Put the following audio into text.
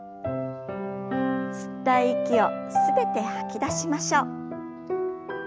吸った息を全て吐き出しましょう。